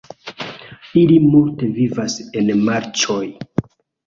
Ili multe vivas en marĉoj.